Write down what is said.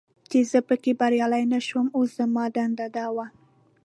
چې زه پکې بریالی نه شوم، اوس زما دنده دا وه.